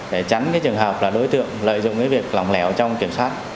để tránh trường hợp đối tượng lợi dụng việc lỏng lẻo trong kiểm soát